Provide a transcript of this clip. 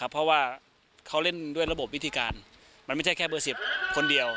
เพราะว่าเขาเล่นด้วยระบบวิธีการมันไม่ใช่แค่เบอร์๑๐คนเดียว